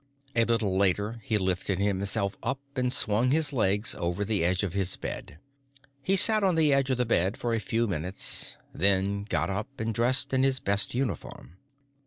A little later, he lifted himself up and swung his legs over the edge of his bed. He sat on the edge of the bed for a few minutes, then got up and got dressed in his best uniform.